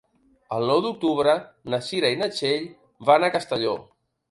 El nou d'octubre na Cira i na Txell van a Castelló.